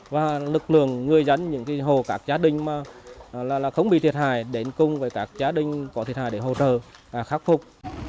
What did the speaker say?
và lực lượng người dân những hồ các gia đình mà không bị thiệt hại đến cùng với các gia đình có thiệt hại để hỗ trợ khắc phục